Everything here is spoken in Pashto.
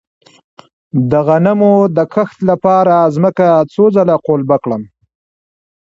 د غنمو د کښت لپاره ځمکه څو ځله قلبه کړم؟